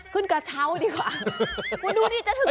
ขึ้นกระเวัตดีกว่า